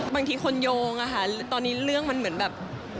บางทีคนโยงอะค่ะตอนนี้เรื่องมันเหมือนแบบ